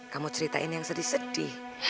kamu ceritain yang sedih sedih